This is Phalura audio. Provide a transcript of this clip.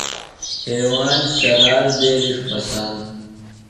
ہیواند ،شرال بیرݜ ،بساند۔